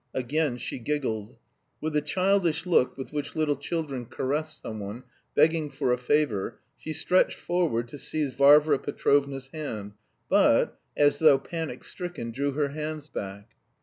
Again she giggled. With the childish look with which little children caress someone, begging for a favour, she stretched forward to seize Varvara Petrovna's hand, but, as though panic stricken, drew her hands back.